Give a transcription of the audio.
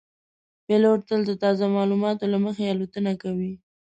پیلوټ تل د تازه معلوماتو له مخې الوتنه کوي.